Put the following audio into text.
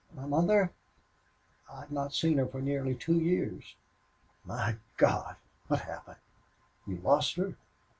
"My mother! I've not seen her for nearly two years." "My God! What happened? You lost her?